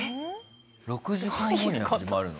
６時間後に始まるの？